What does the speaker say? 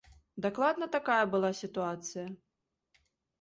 Дакладна такая была сітуацыя.